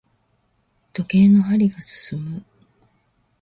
時計の針が進む。